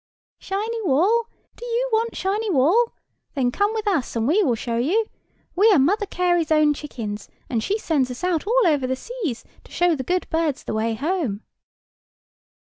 "Shiny Wall? Do you want Shiny Wall? Then come with us, and we will show you. We are Mother Carey's own chickens, and she sends us out over all the seas, to show the good birds the way home."